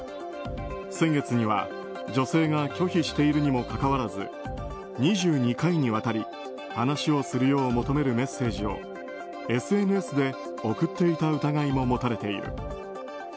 先月には女性が拒否しているにもかかわらず２２回にわたり話をするよう求めるメッセージをＳＮＳで送っていた疑いが持たれている。